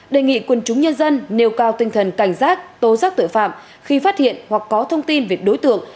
đề nghị quân chúng nhân dân nêu cao tinh thần cảnh giác tố giác tội phạm khi phát hiện hoặc có thông tin về đối tượng